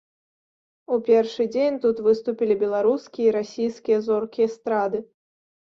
У першы дзень тут выступілі беларускія і расійскія зоркі эстрады.